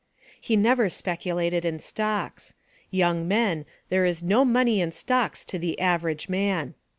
He never speculated in stocks. Young men, there is no money in stocks to the average man.